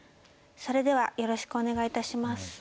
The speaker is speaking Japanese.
それではよろしくお願いいたします。